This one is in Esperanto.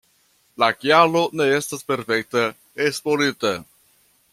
La kialo ne estas perfekte esplorita.